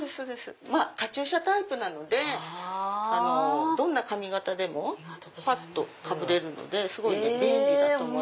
カチューシャタイプなのでどんな髪形でもぱっとかぶれるので便利だと思います。